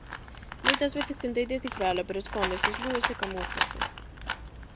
Moitas veces tentei descifralo pero escóndese, eslúese, camúflase.